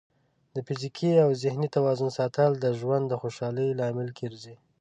د فزیکي او ذهني توازن ساتل د ژوند د خوشحالۍ لامل ګرځي.